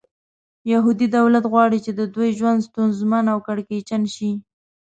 یهودي دولت غواړي چې د دوی ژوند ستونزمن او کړکېچن شي.